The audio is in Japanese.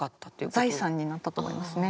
財産になったと思いますね。